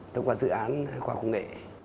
thông qua dự án khoa công nghệ